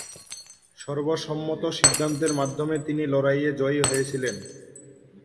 সর্বসম্মত সিদ্ধান্তের মাধ্যমে তিনি লড়াইয়ে জয়ী হয়েছিলেন।